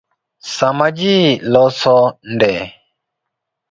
Sama ji loso nde